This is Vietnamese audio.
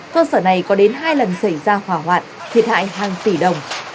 cơ sở này có đến hai lần xảy ra hòa hoạt thiệt hại hàng tỷ đồng